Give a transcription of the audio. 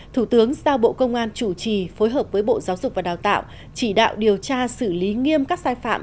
thủ tướng giao bộ công an chủ trì phối hợp với bộ giáo dục và đào tạo chỉ đạo điều tra xử lý nghiêm các sai phạm